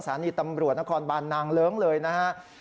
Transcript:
สถานีตำรวจนครบานนางเลิ้งเลยนะครับ